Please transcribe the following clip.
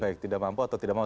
baik tidak mampu atau tidak mau